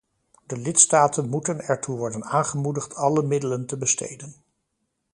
De lidstaten moeten ertoe worden aangemoedigd alle middelen te besteden.